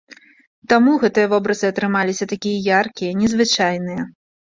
Таму гэтыя вобразы атрымаліся такія яркія, незвычайныя.